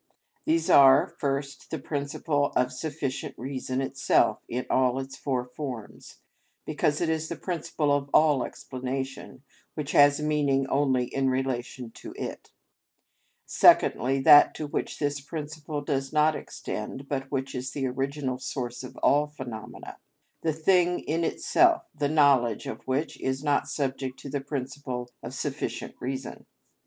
These are, first, the principle of sufficient reason itself in all its four forms, because it is the principle of all explanation, which has meaning only in relation to it; secondly, that to which this principle does not extend, but which is the original source of all phenomena; the thing in itself, the knowledge of which is not subject to the principle of sufficient reason.